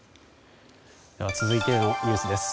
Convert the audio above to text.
続いてのニュースです。